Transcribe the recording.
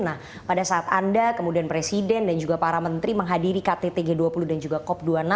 nah pada saat anda kemudian presiden dan juga para menteri menghadiri ktt g dua puluh dan juga cop dua puluh enam